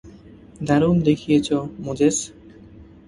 দারুণ দেখিয়েছ, মোজেস।